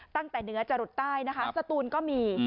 ตั้งแต่เหนือจะหลุดใต้นะคะสตูนก็มี